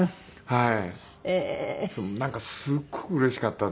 はい。